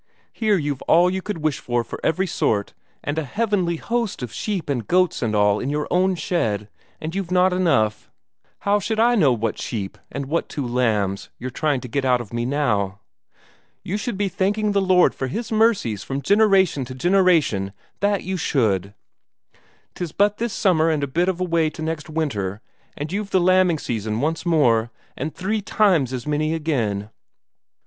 Here you've all you could wish for every sort, and a heavenly host of sheep and goats and all in your own shed, and you've not enough. How should I know what sheep, and what two lambs, you're trying to get out of me now? You should be thanking the Lord for His mercies from generation to generation, that you should. 'Tis but this summer and a bit of a way to next winter, and you've the lambing season once more, and three times as many again."